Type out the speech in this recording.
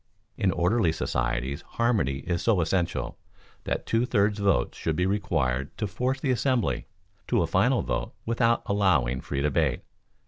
In ordinary societies harmony is so essential, that a two thirds vote should be required to force the assembly to a final vote without allowing free debate.